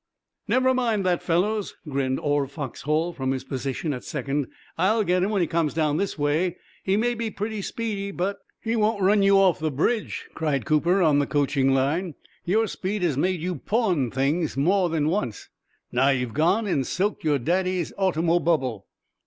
"Never mind that, fellows," grinned Orv Foxhall from his position at second. "I'll get him when he comes down this way. He may be pretty speedy, but " "He won't run off the bridge," cried Cooper, on the coaching line. "Your speed has made you pawn things more than once, and now you've gone and soaked your daddy's automobubble."